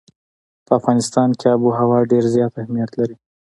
په افغانستان کې آب وهوا ډېر زیات اهمیت لري.